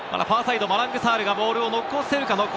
ファーサイド、マラング・サールがボールを残せるか。